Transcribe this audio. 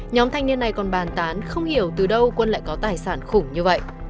nhóm thanh niên này còn bàn tán không hiểu từ đâu quân lại có tài sản khủng như vậy